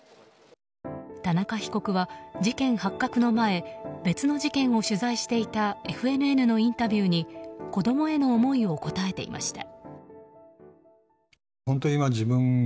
田中被告は事件発覚の前別の事件を取材していたＦＮＮのインタビューに子供への思いを答えていました。